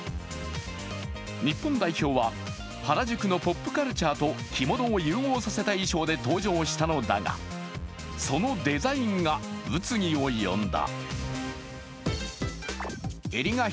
日本代表は原宿のポップカルチャーと着物を融合させた衣装で登場させたのだが、そのデザインが物議を呼んだ。